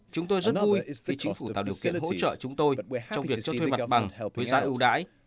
chúng tôi rất vui khi chính phủ tạo điều kiện hỗ trợ chúng tôi trong việc cho thuê mặt bằng với giá ưu đãi